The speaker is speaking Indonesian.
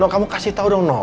kamu kasih tau dong